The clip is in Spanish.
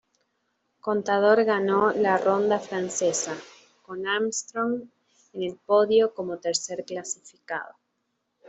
Contador ganó la ronda francesa, con Armstrong en el podio como tercer clasificado.